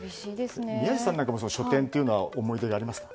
宮司さんも書店というのに思い出はありますか？